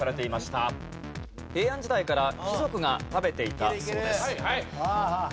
平安時代から貴族が食べていたそうです。